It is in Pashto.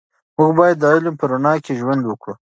موږ باید د علم په رڼا کې ژوند وکړو.